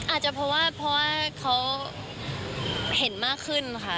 อาจจะเพราะว่าเพราะว่าเขาเห็นมากขึ้นค่ะ